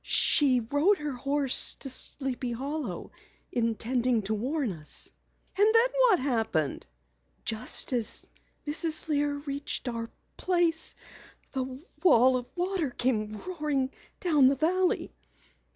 She rode her horse to Sleepy Hollow, intending to warn us." "And then what happened?" "Just as Mrs. Lear reached our place, the wall of water came roaring down the valley.